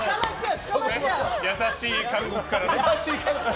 優しい監獄からね。